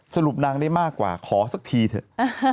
สรุปนางได้มากกว่าขอสักทีเถอะ